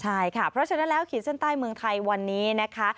ใช่ค่ะเพราะฉะนั้นแล้วขีดเส้นใต้เมืองไทยวันนี้นะคะ